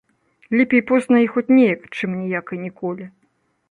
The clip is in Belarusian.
Лепей позна і хоць неяк, чым ніяк і ніколі.